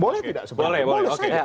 boleh tidak sepenuhnya boleh saja